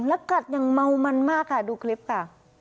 แล้วกัดอย่างเมามันมากค่ะดูคลิปค่ะ